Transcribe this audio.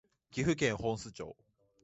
岐阜県本巣市